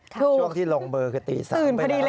ช่วงที่ลงเบอร์คือตี๓ไปแล้ว